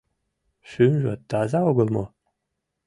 Шӱмжӧ таза огыл мо?